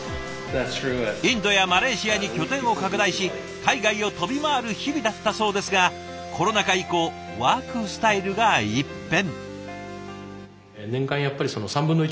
インドやマレーシアに拠点を拡大し海外を飛び回る日々だったそうですがコロナ禍以降ワークスタイルが一変。